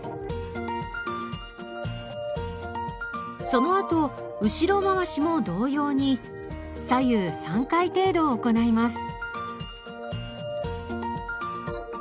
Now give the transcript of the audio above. そのあと後ろ回しも同様に左右３回程度行います。